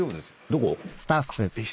どこ？